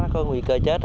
có nguy cơ chết